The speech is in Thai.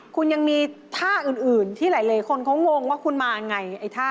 คุณยังมีท่าอื่นที่หลายคนเขางงว่าคุณมาไงท่า